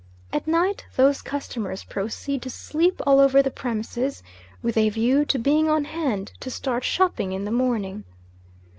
At night those customers proceed to sleep all over the premises, with a view to being on hand to start shopping in the morning.